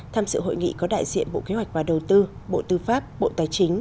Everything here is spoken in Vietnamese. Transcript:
tham dự hội nghị có đại diện bộ kế hoạch và đầu tư bộ tư pháp bộ tài chính